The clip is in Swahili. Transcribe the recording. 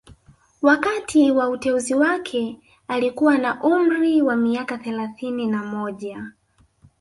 Wakati wa uteuzi wake alikuwa na umri wa miaka thelathini na moja